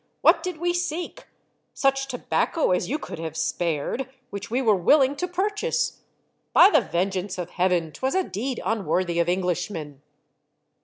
What did we seek ? Such tobacco as you could have spared, which we were willing to pur chase. By the vengeance of Heaven, 'twas a deed unworthy of Englishmen."